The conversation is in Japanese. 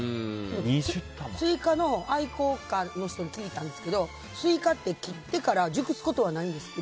スイカの愛好家の人に聞いたんですけどスイカって切ってから熟すことはないんですって。